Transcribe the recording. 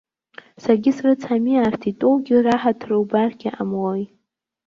Саргьы срыцҳами, арҭ итәоугьы раҳаҭыр убаргьы ҟамлои!